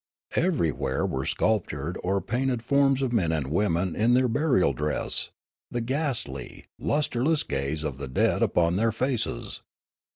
Everywhere were sculptured or painted forms of men and women in their burial dress, the ghastly, lustreless gaze of the dead upon their faces.